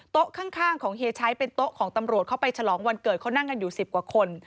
ข้างของเฮียชัยเป็นโต๊ะของตำรวจเข้าไปฉลองวันเกิดเขานั่งกันอยู่๑๐กว่าคน